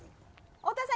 太田さん